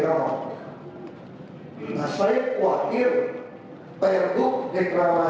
pompa sempio itu beran marga